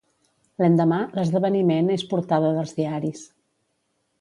L'endemà, l'esdeveniment és portada dels diaris.